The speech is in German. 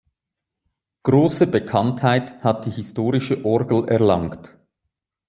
Große Bekanntheit hat die historische Orgel erlangt.